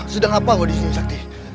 sedang apa lo disini sakdi